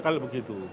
tiga kali begitu